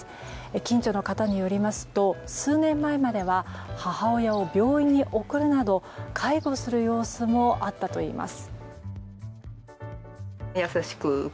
近所の方によりますと数年前までは母親を病院に送るなど、介護する様子もあったといいます。